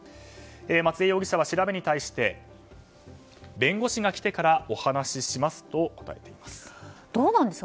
松江容疑者は調べに対して弁護士が来てからお話ししますと答えています。